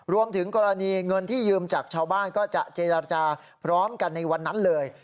รวมถึงกรณีเงินที่ยืมจากชาวบ้านก็จะเจรจาพร้อมกันในวันนั้นเลย